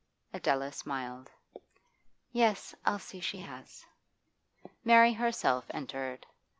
Adela smiled. 'Yes, I'll see she has.' Mary herself entered.